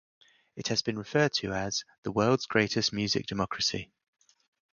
It has been referred to as "the world's greatest music democracy".